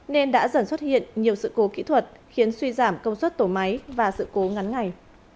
nên đã dần xuất hiện nhiều sự cố kỹ thuật khiến suy giảm công suất tổ máy và sự cố ngắn ngày